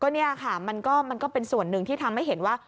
นี่ค่ะมันก็เป็นส่วนหนึ่งที่ทำให้เห็นว่า